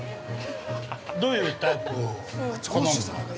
どういうタイプを好むの？